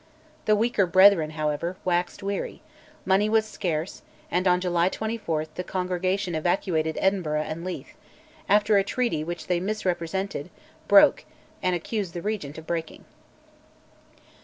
The weaker Brethren, however, waxed weary; money was scarce, and on July 24, the Congregation evacuated Edinburgh and Leith, after a treaty which they misrepresented, broke, and accused the Regent of breaking.